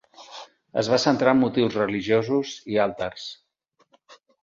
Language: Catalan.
Es va centrar en motius religiosos i altars.